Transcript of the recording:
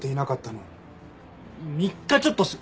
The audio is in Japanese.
３日ちょっとです。